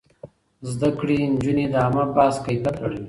زده کړې نجونې د عامه بحث کيفيت لوړوي.